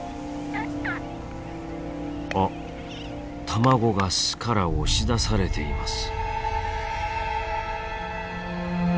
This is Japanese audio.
あ卵が巣から押し出されています。